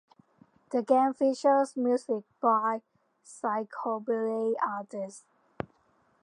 The game features music by psychobilly artists.